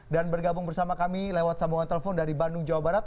dan bergabung bersama kami lewat sambungan telepon dari bandung jawa barat